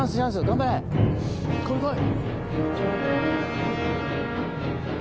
頑張れこいこい。